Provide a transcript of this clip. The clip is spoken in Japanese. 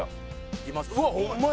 うわっホンマや。